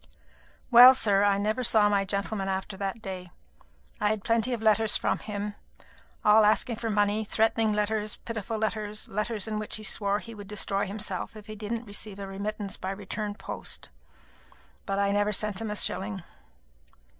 Well, sir, I never saw my gentleman after that day. I had plenty of letters from him, all asking for money; threatening letters, pitiful letters, letters in which he swore he would destroy himself if he didn't receive a remittance by return of post; but I never sent him a shilling.